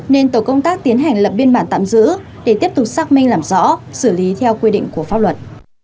nên tổ công tác tiến hành lập biên bản tạm giữ để tiếp tục xác minh làm rõ xử lý theo quy định của pháp luật